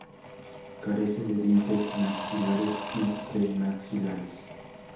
Carece de dientes maxilares y premaxilares.